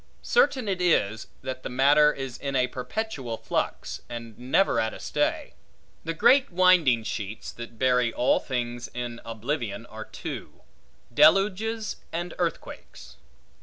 Certain it is, that the matter is in a perpetual flux, and never at a stay. The great winding sheets, that bury all things in oblivion, are two; deluges and earthquakes.